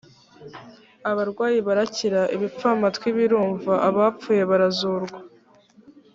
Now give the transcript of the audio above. abarwayi barakira ibipfamatwi birumva abapfuye barazurwa